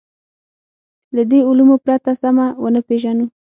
له دې علومو پرته سمه ونه پېژنو.